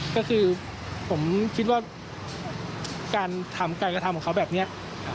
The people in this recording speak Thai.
ก็คือผมคิดว่าการทำการกระทำของเขาแบบนี้